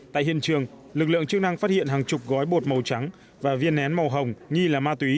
tại hiện trường lực lượng chức năng phát hiện hàng chục gói bột màu trắng và viên nén màu hồng nghi là ma túy